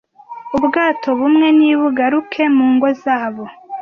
ubwato bumwe nibugaruke mu ngo zabo